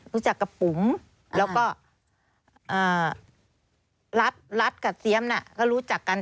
รู้จักกับปุ๋มแล้วก็รัฐรัฐกับเซียมน่ะก็รู้จักกัน